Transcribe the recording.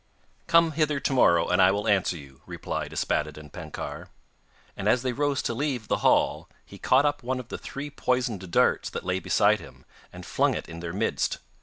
'Come hither to morrow and I will answer you,' replied Yspaddaden Penkawr, and as they rose to leave the hall he caught up one of the three poisoned darts that lay beside him and flung it in their midst.